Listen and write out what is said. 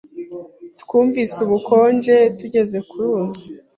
Twumvise ubukonje tugeze ku ruzi.